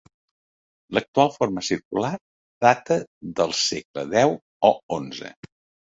L'actual forma circular data del segle deu o onze.